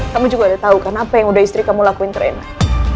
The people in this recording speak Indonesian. kamu juga udah tahu kan apa yang udah istri kamu lakuin terenak